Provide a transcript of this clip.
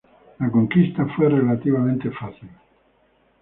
La conquista fue relativamente fácil.